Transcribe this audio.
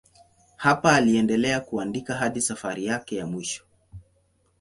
Hapa aliendelea kuandika hadi safari yake ya mwisho.